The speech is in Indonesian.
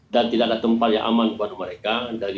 dan tidak ada tempat yang aman buat mereka